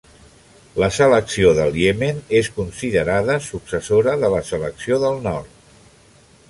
La selecció del Iemen és considerada successora de la selecció del Nord.